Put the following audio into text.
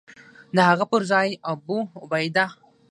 د هغه پر ځای یې ابوعبیده.